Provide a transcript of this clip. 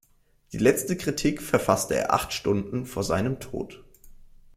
Die letzte Kritik verfasste er acht Stunden vor seinem Tod.